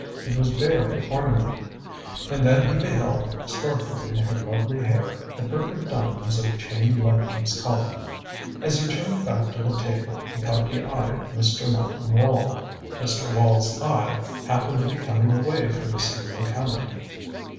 It was bare of ornament. And then he beheld, sparkling in her lovely hair, the perfect diamonds of Chain Lightning's Collar. As he turned back to the table he caught the eye of Mr. Martin Wall. Mr. Wall's eye happened to be coming away from the same locality.